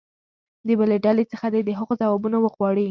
د بلې ډلې څخه دې د هغو ځوابونه وغواړي.